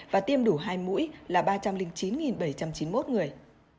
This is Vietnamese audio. và tiêm đủ hai mũi là ba trăm linh chín bảy trăm chín mươi một người